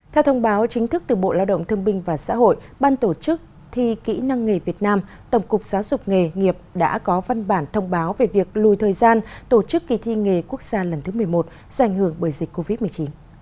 theo thông báo chính thức từ bộ lao động thương binh và xã hội ban tổ chức thi kỹ năng nghề việt nam tổng cục giáo dục nghề nghiệp đã có văn bản thông báo về việc lùi thời gian tổ chức kỳ thi nghề quốc gia lần thứ một mươi một do ảnh hưởng bởi dịch covid một mươi chín